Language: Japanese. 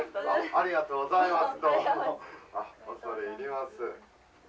ありがとうございます。